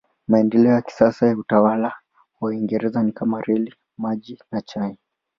Maendeleo ya kisasa ya utawala wa Uingereza ni kama vile reli, maji na chai.